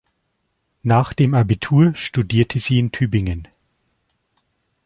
Nach dem Abitur studierte sie in Tübingen.